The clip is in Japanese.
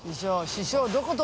師匠。